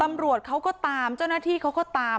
ตำรวจเขาก็ตามเจ้าหน้าที่เขาก็ตาม